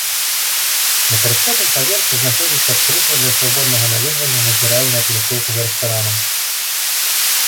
На трыццатым паверсе знаходзіцца адкрытая для свабоднага наведвання назіральная пляцоўка з рэстаранам.